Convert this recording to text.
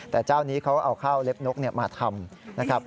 แต่เจ้านี้เขาเอาข้าวเล็บนกมาทำนะครับ